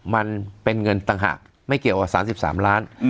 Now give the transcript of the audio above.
มันเป็นเงินต่างหากไม่เกี่ยวกับสามสิบสามล้านอืม